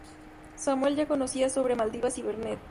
Samuel ya conocía sobre Malvinas y Vernet.